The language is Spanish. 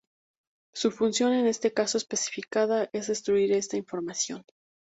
Su función, en este caso especificada, es destruir esta información.